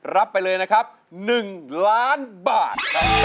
รับไปเลยนะครับ๑ล้านบาท